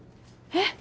えっ？